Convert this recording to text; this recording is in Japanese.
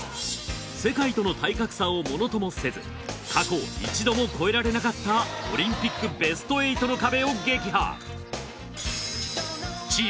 世界との体格差をものともせず過去一度も越えられなかったオリンピックベスト８の壁を撃破。